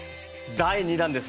第２弾です。